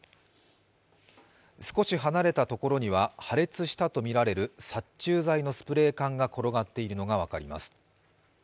少し離れたところには、破裂したとみられる殺虫剤のスプレー缶が転がっているのが分かります。